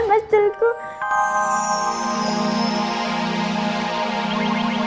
mas dulu jangan